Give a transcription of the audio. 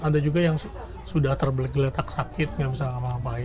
ada juga yang sudah tergeletak sakit nggak bisa ngapa ngapain